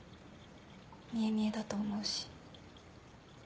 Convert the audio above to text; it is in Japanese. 見え見えだと思うし。